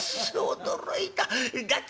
驚いた。